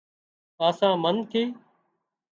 هاسا منَ ٿِي